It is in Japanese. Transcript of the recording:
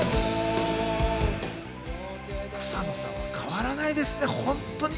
草野さん変わらないですね、本当に。